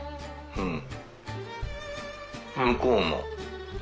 うん。